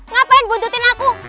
ngapain buntutin aku